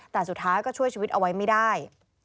แต่สุดท้ายก็ช่วยชีวิตเอาไว้ไม่ได้